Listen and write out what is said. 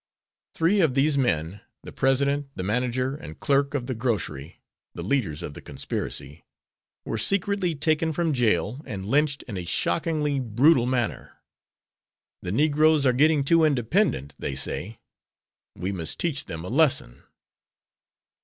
Three of these men, the president, the manager and clerk of the grocery "the leaders of the conspiracy" were secretly taken from jail and lynched in a shockingly brutal manner. "The Negroes are getting too independent," they say, "we must teach them a lesson."